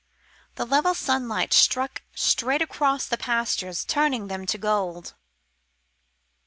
The level sunlight struck straight across the pastures, turning them to gold.